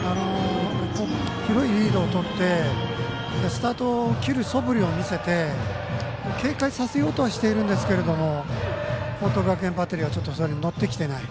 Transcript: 広いリードをとってスタートを切るそぶりを見せて警戒させようとはしてるんですけども報徳学園バッテリーはそれに乗ってきていない。